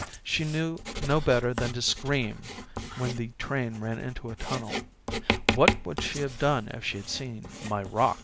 She knew no better than to scream when the train ran into a tunnel ; what would she have done if she had seen my roc?